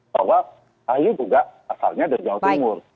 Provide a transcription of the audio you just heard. bahwa ahy juga asalnya dari jawa timur